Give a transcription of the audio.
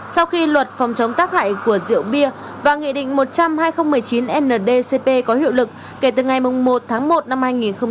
sau khi luật phòng chống tác hại của rượu bia và nghị định một trăm linh hai nghìn một mươi chín ndcp có hiệu lực kể từ ngày một tháng một năm hai nghìn hai mươi